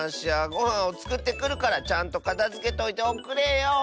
ごはんをつくってくるからちゃんとかたづけといておくれよ。